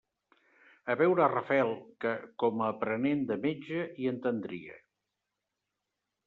A veure Rafael, que, com a aprenent de metge, hi entendria.